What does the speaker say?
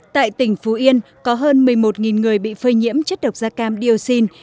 tại tỉnh phú yên có hơn một mươi một người bị phơi nhiễm chất độc da cam dioxin